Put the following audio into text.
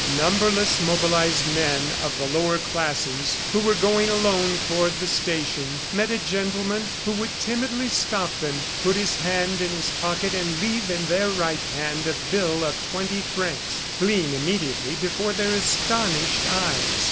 Numberless mobilized men of the lower classes who were going alone toward the station met a gentleman who would timidly stop them, put his hand in his pocket and leave in their right hand a bill of twenty francs, fleeing immediately before their astonished eyes.